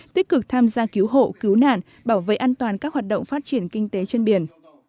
tích cực tham gia cứu hộ cứu nạn bảo vệ an toàn các hoạt động phát triển kinh tế trên biển